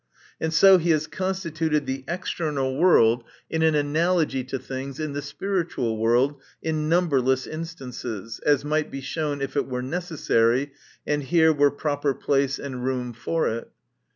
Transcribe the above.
And so he has constituted the external world in an analogy to things in the spiritual world, in numberless instances ; as might be shown, if it were necessary, and here were proper place and room for it.